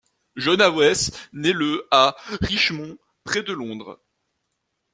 John Hawes naît le à Richmond, près de Londres.